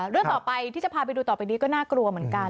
เรื่องต่อไปที่จะพาไปดูต่อไปนี้ก็น่ากลัวเหมือนกัน